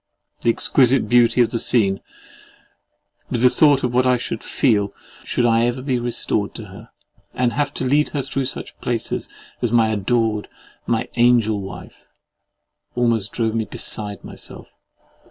The exquisite beauty of the scene, with the thought of what I should feel, should I ever be restored to her, and have to lead her through such places as my adored, my angelwife, almost drove me beside myself.